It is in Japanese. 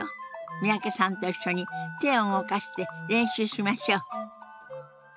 三宅さんと一緒に手を動かして練習しましょう。